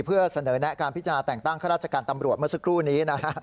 เพื่อเสนอแนะการพิจารณาแต่งตั้งข้าราชการตำรวจเมื่อสักครู่นี้นะฮะ